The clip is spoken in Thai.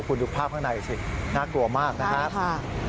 คุณดูภาพข้างในสิน่ากลัวมากนะครับ